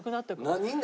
何？